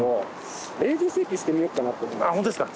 ああホントですか。